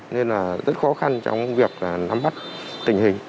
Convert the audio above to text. nên là rất khó khăn trong việc nắm bắt tình hình